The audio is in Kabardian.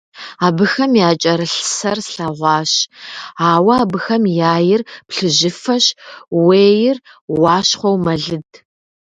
Абыхэм якӀэрылъ сэр слъэгъуащ, ауэ абыхэм яир плъыжьыфэщ, ууейр уащхъуэу мэлыд.